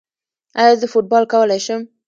ایا زه فوټبال کولی شم؟